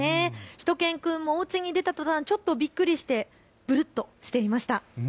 しゅと犬くんもおうちを出たとたん、ちょっとびっくりしてぶるっとしていました。